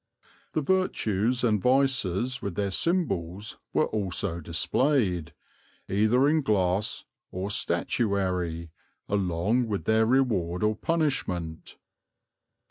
The virtues and vices, with their symbols, were also displayed, either in glass or statuary, along with their reward or punishment.